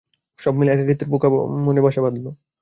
সবমিলে একাকিত্বের পোকা মনে বাসা বাঁধল।